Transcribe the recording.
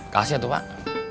kasih atuh pak